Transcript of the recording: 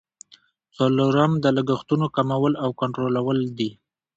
څلورم د لګښتونو کمول او کنټرولول دي.